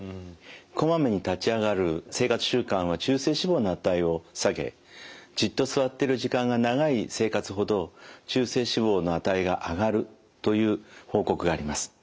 こまめに立ち上がる生活習慣は中性脂肪の値を下げじっと座ってる時間が長い生活ほど中性脂肪の値が上がるという報告があります。